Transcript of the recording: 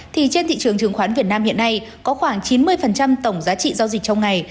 thì trên thị trường chứng khoán việt nam hiện nay có khoảng chín mươi tổng giá trị giao dịch trong ngày